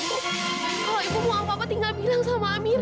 kalau ibu mau apa apa tinggal bilang sama amir